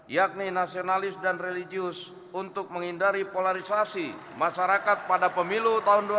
yakni nasionalis dan religius untuk menghindari polarisasi masyarakat pada pemilu